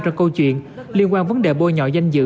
trong câu chuyện liên quan vấn đề bôi nhỏ danh dự